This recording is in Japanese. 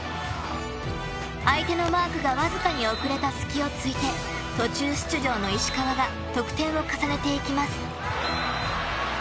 相手のマークがわずかに遅れた隙を突いて途中出場の石川が得点を重ねていきます。